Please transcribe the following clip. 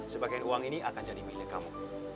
sebagian uang ini akan jadi milik kamu